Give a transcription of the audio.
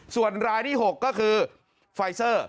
ส่วนรายที่๖ก็คือไฟเซอร์